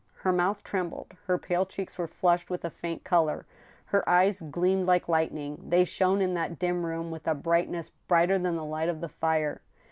Her mouth trembled, her pale cheeks were flushed with a faint color ; her eyes gleamed like lightning, they shone in that dim room with a brightness brighter than the light of the fire.